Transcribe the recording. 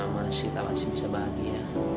masih masih bisa bahagia